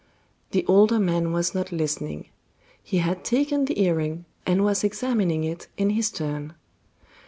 The older man was not listening; he had taken the earring, and was examining it in his turn.